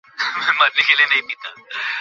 আমি তোমাকে পরে ফোন করছি।